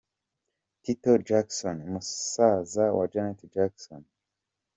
Tito Jackson, musaza wa Janet Jackson